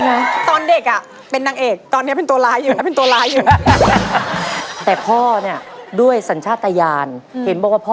แม่ครับตอนนี้ลูกคนนี้เป็นยังไงบ้าง